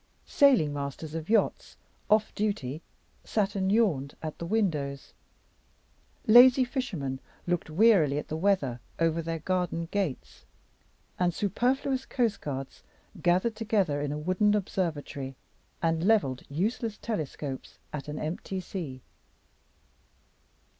Sailing masters of yachts, off duty, sat and yawned at the windows; lazy fishermen looked wearily at the weather over their garden gates; and superfluous coastguards gathered together in a wooden observatory, and leveled useless telescopes at an empty sea.